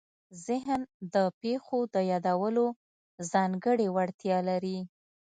ذهن د پېښو د یادولو ځانګړې وړتیا لري.